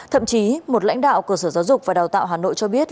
thậm chí một lãnh đạo của sở giáo dục và đào tạo hà nội cho biết